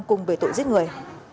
cùng với tội giết người